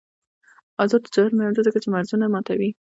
آزاد تجارت مهم دی ځکه چې مرزونه ماتوي.